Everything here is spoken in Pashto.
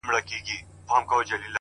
درد چي سړی سو له پرهار سره خبرې کوي.